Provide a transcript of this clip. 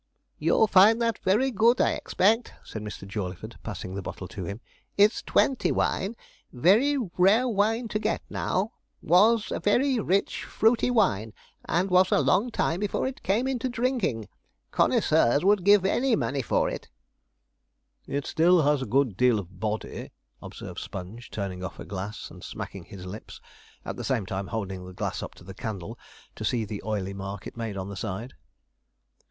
'You'll find that very good, I expect,' said Mr. Jawleyford, passing the bottle to him; 'it's '20 wine very rare wine to get now was a very rich fruity wine, and was a long time before it came into drinking. Connoisseurs would give any money for it.' 'It has still a good deal of body,' observed Sponge, turning off a glass and smacking his lips, at the same time holding the glass up to the candle to see the oily mark it made on the side.